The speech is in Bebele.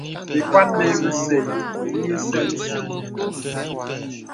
Ìkwan bes bə̀sɛ̀ yì sɛnsi ìyìŋ.